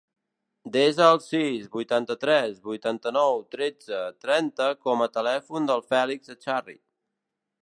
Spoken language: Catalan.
Desa el sis, vuitanta-tres, vuitanta-nou, tretze, trenta com a telèfon del Fèlix Echarri.